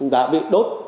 đã bị đốt